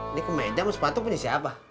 ini kemedan sepatu punya siapa